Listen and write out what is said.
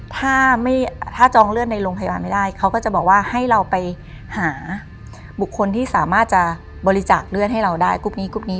ถ้าถ้าจองเลือดในโรงพยาบาลไม่ได้เขาก็จะบอกว่าให้เราไปหาบุคคลที่สามารถจะบริจาคเลือดให้เราได้กรุ๊ปนี้กรุ๊ปนี้